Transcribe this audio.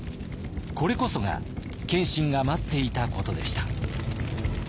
これこそが謙信が待っていたことでした。